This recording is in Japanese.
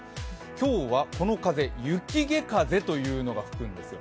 今日はこの風、雪解風というのが吹くんです。